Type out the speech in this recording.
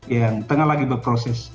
yang tengah lagi berproses